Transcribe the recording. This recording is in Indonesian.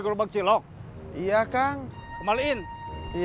cilok cilok cilok lima bebas ambil sendiri